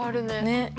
ねっ。